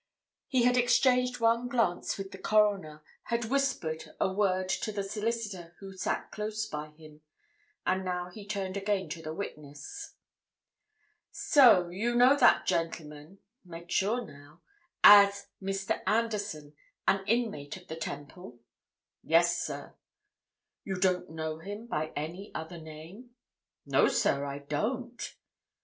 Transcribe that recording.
He had exchanged one glance with the Coroner, had whispered a word to the solicitor who sat close by him, and now he turned again to the witness. "So you know that gentleman—make sure now—as Mr. Anderson, an inmate of the Temple?" "Yes, sir." "You don't know him by any other name?" "No, sir, I don't."